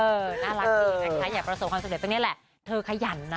เออน่ารักจริงนะคะอย่าประสบความสุดเด็ดตอนนี้แหละเธอขยันนะ